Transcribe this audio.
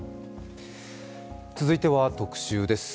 続いては特集です。